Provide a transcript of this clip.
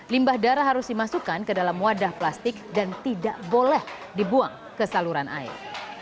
limbah darah harus dimasukkan ke dalam wadah plastik dan tidak boleh dibuang ke saluran air